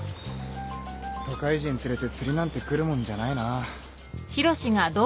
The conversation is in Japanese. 都会人連れて釣りなんて来るもんじゃないな。